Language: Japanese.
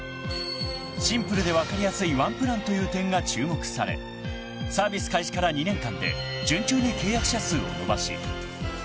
［シンプルで分かりやすい１プランという点が注目されサービス開始から２年間で順調に契約者数を伸ばし］